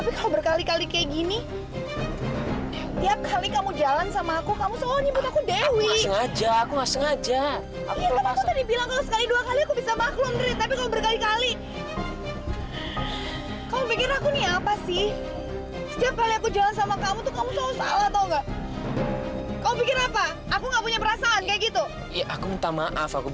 berapa kali aku selalu berusaha nunjukin itu sama kamu